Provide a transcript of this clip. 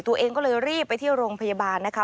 ตัวเองก็เลยรีบไปที่โรงพยาบาลนะคะ